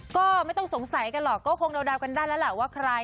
ก็ไม่ต้องสงสัยกันหรอกก็คงเดากันได้แล้วล่ะว่าใคร